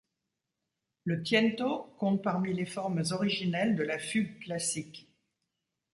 Le tiento compte parmi les formes originelles de la fugue classique.